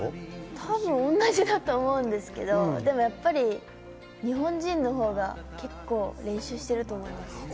多分同じだと思うんですけど日本人の方が結構、練習してると思います。